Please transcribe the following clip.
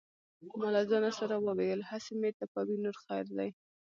ما له ځانه سره وویل: هسې مې ټپوي نور خیر دی.